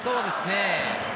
そうですね。